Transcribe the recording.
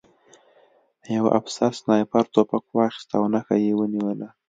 یوه افسر سنایپر توپک واخیست او نښه یې ونیوله